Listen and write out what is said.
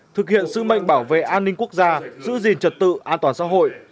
thực hiện sứ mệnh bảo vệ an ninh quốc gia giữ gìn trật tự an toàn xã hội